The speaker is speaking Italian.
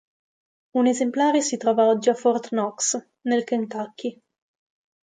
Un esemplare si trova oggi a Fort Knox, nel Kentucky.